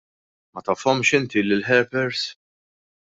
Ma tafhomx inti lill-helpers?